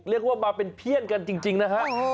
เรียกว่ามาเป็นเพื่อนกันจริงนะฮะ